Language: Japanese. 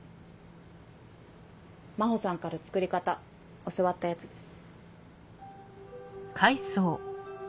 真帆さんから作り方教わったやつです。